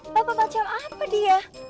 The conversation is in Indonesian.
bapak macam apa dia